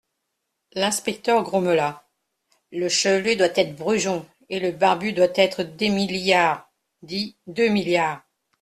L'inspecteur grommela : Le chevelu doit être Brujon, et le barbu doit être Demi-Liard, dit Deux-Milliards.